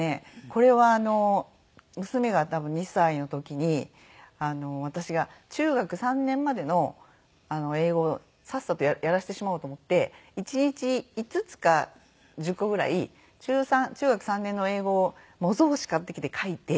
これはあの娘が多分２歳の時に私が中学３年までの英語をさっさとやらせてしまおうと思って１日５つか１０個ぐらい中３中学３年の英語を模造紙買ってきて書いて。